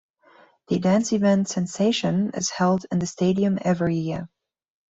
The dance event Sensation is held in the stadium every year.